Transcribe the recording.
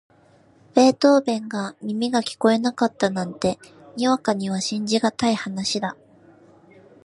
ベートーヴェンが耳が聞こえなかったなんて、にわかには信じがたい話だ。